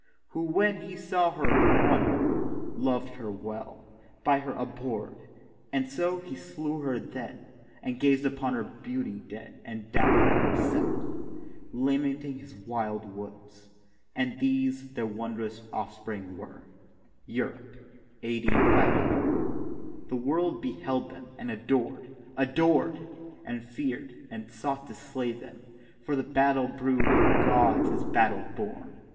Who when he saw her won her; loved her well; By her abhor'd: and so he slew her then, And gazed upon her beauty dead, and died Himself, lamenting his wild woods. And these Their wondrous offspring were. Europe, A.D. 500. The World beheld them and adored—adored, And fear'd, and sought to slay them; for The battle brood of gods is battle born.